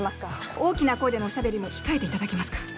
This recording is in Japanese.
大きな声でのおしゃべりも控えて頂けますか。